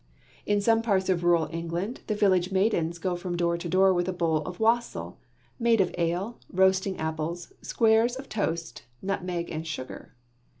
In some parts of rural England, the village maidens go from door to door with a bowl of wassail, made of ale, roasted apples, squares of toast, nutmeg, and sugar.